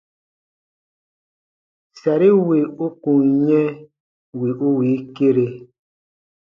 Sari wì u kun yɛ̃ wì u wii kere.